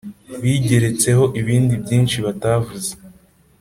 Bigeretseho ibindi byinshi batavuze